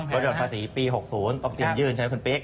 รถยอดตะสีปี๖๐ตอบเตรียมยื่นใช่มั้ยคุณปิ๊ก